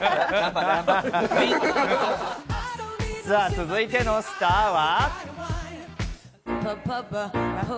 続いてのスターは。